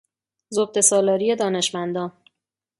زبدهسالاری دانشمندان